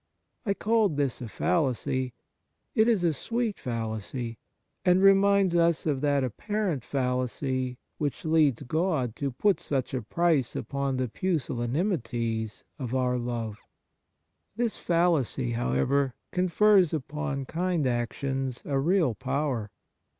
I called this a fallacy ; it is a sweet fallacy, and reminds us of that apparent fallacy which leads God to put such a price upon the pusillanimities of our love. This fallacy, however, confers upon kind actions a real power.